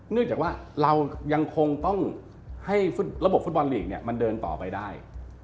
เนื่องจากว่าเรายังคงต้องให้ระบบฟุตบอลลีกเนี่ยมันเดินต่อไปได้